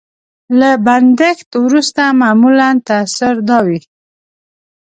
له بندښت وروسته معمولا تاثر دا وي.